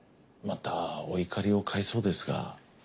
またお怒りを買いそうですが。